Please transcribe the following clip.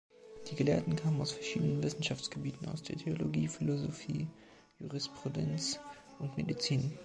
Die Gelehrten kamen aus verschiedenen Wissenschaftsgebieten, aus der Theologie, Philosophie, Jurisprudenz und Medizin.